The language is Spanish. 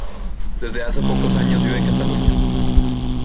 Desde hace pocos años vive en Cataluña.